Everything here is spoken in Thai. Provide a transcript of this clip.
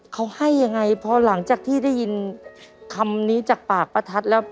เขาให้ยังไงพอหลังจากที่ได้ยินคำนี้จากปากป้าทัศน์แล้ว